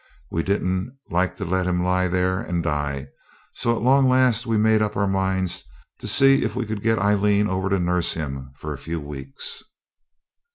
We didn't like to let him lie there and die, so at long last we made up our minds to see if we could get Aileen over to nurse him for a few weeks.